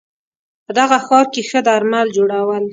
په دغه ښار کې ښه درمل جوړول